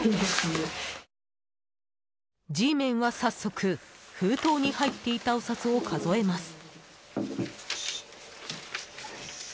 Ｇメンは、早速封筒に入っていたお札を数えます。